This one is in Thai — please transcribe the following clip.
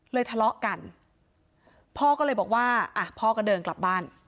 ทะเลาะกันพ่อก็เลยบอกว่าอ่ะพ่อก็เดินกลับบ้าน